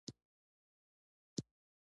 مځکه زرګونه کلونه عمر لري.